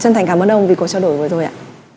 chân thành cảm ơn ông vì cố trao đổi với tôi ạ